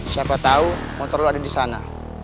siapa tau motor lu ada di sana